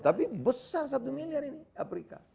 tapi besar satu miliar ini afrika